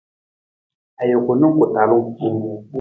Ajuku na ku talung.